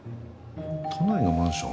都内のマンション？